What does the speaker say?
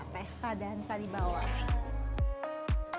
pesta dansa di bawah